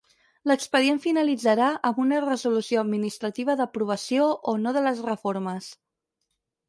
L'expedient finalitzarà amb una resolució administrativa d'aprovació o no de les reformes.